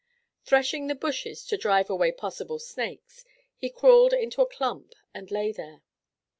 Threshing the bushes to drive away possible snakes, he crawled into a clump and lay there.